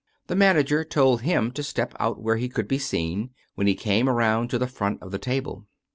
The manager told him to step out where he could be seen, when he came around to the front of the table.